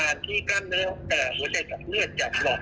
อันนี้ก็อาจจะเกิดจากการติดเชื้อไวรัส